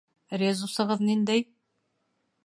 Резусығыҙ ниндәй?